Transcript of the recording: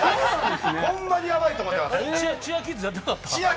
ほんまにやばいと思います。